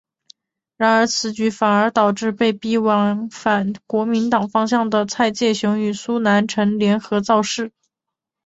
然而此举反而导致被逼往反国民党方向的蔡介雄与苏南成联合造势。